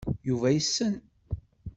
Yuba yessen.